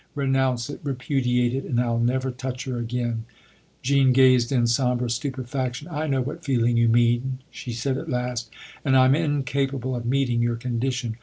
Renounce it repudiate it, and I'll never touch her again !" Jean gazed in sombre stupefaction. "I know what feeling you mean," she said at last, "and I'm incapable of meeting your condition.